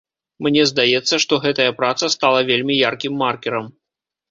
Мне здаецца, што гэтая праца стала вельмі яркім маркерам.